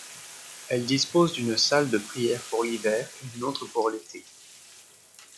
Elle dispose d'une salle de prières pour l'hiver et d'une autre pour l'été.